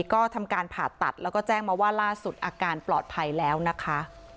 ก็ทำการผ่าตัดแล้วก็แจ้งมาว่าล่าสุดอาการปลอดภัยแล้วนะคะ